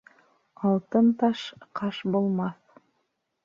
Алтын таш ҡаш булмаҫ.